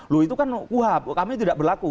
lu itu kan kuhab kami tidak berlaku